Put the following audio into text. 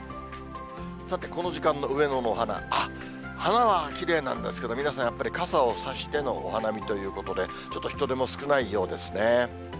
さて、この時間の上野のお花、花はきれいなんですけど、皆さんやっぱり、傘を差してのお花見ということで、ちょっと人出も少ないようですね。